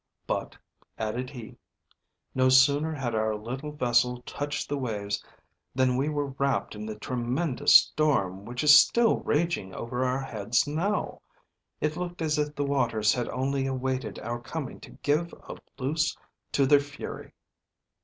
"But," added he, "no sooner had our little vessel touched the waves, than we were wrapped in the tremendous storm, which is still raging over our heads now. It looked as if the waters had only awaited our coming to give a loose to their fury.